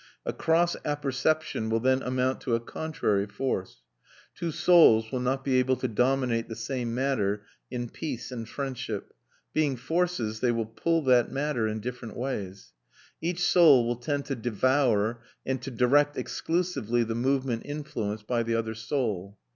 A cross apperception will then amount to a contrary force. Two souls will not be able to dominate the same matter in peace and friendship. Being forces, they will pull that matter in different ways. Each soul will tend to devour and to direct exclusively the movement influenced by the other soul.